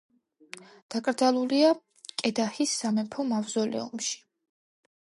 დაკრძალულია კედაჰის სამეფო მავზოლეუმში.